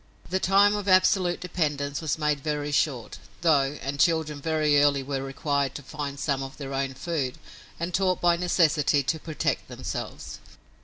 The time of absolute dependence was made very short, though, and children very early were required to find some of their own food, and taught by necessity to protect themselves.